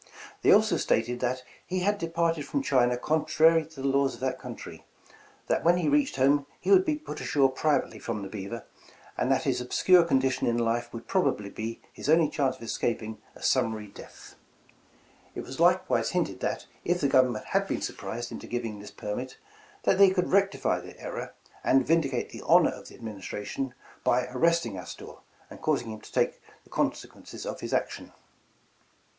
They also stated that 'he had departed from China contrary to the laws of that country; that when he reached home he would put ashore privately from the 'Beaver,' and that his obscure condition in life 153 The Original John Jacob Astor would probably be liis only chance of escaping a sum maiy death.' "It was likewise hinted that if the Government had been surprised into giving this permit, that they could rectify their error, and vindicate the honor of the Ad ministration by arresting Astor, and causing him to take the consequence of his action.